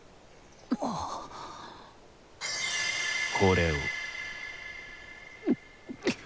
これを。